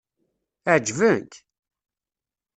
Ɛeǧben-k?